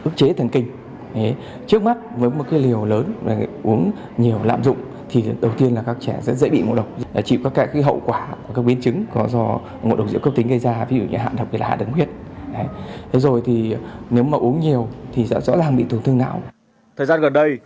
các bác sĩ cho biết số bệnh nhân ngộ độc rượu cấp tính gia tăng trong thời gian gần đây